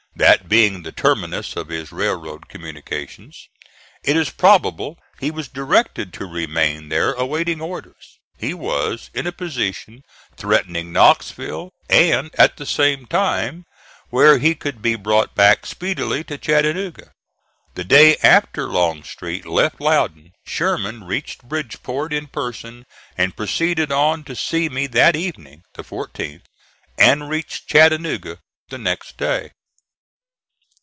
That being the terminus of his railroad communications, it is probable he was directed to remain there awaiting orders. He was in a position threatening Knoxville, and at the same time where he could be brought back speedily to Chattanooga. The day after Longstreet left Loudon, Sherman reached Bridgeport in person and proceeded on to see me that evening, the 14th, and reached Chattanooga the next day.